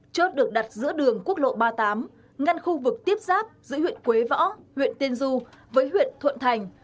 chốt được đặt giữa đường quốc lộ ba mươi tám ngăn khu vực tiếp giáp giữa huyện quế võ huyện tiên du với huyện thuận thành